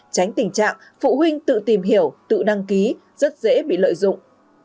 tránh tình trạng phụ huynh tự tìm hiểu tự đăng ký rất dễ bị lợi dụng